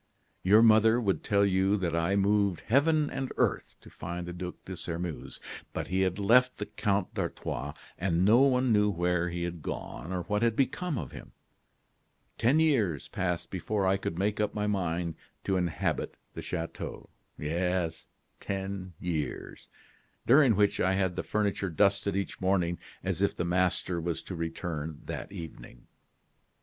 "Your mother would tell you that I moved heaven and earth to find the Duc de Sairmeuse. But he had left the Count d'Artois, and no one knew where he had gone or what had become of him. Ten years passed before I could make up my mind to inhabit the chateau yes, ten years during which I had the furniture dusted each morning as if the master was to return that evening.